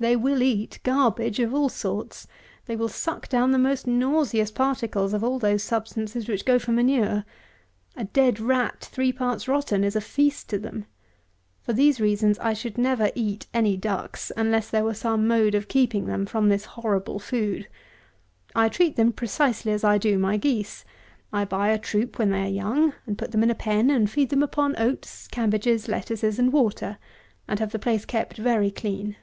They will eat garbage of all sorts; they will suck down the most nauseous particles of all those substances which go for manure. A dead rat three parts rotten is a feast to them. For these reasons I should never eat any ducks, unless there were some mode of keeping them from this horrible food. I treat them precisely as I do my geese. I buy a troop when they are young, and put them in a pen, and feed them upon oats, cabbages, lettuces, and water, and have the place kept very clean.